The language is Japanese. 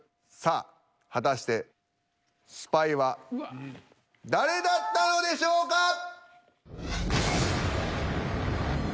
さあ果たしてスパイは誰だったのでしょうか！？